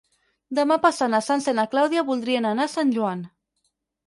Demà passat na Sança i na Clàudia voldrien anar a Sant Joan.